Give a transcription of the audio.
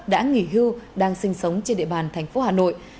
đã nghỉ hưu đang sinh sống trên địa bàn thành phố hà nội